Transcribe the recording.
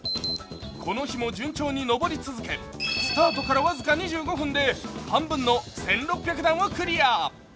この日も順調に上り続け、スタートから僅か２５分で半分の１６００段をクリア。